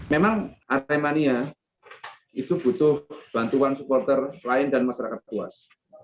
memang aremania itu butuh bantuan supporter lain dan masyarakat puas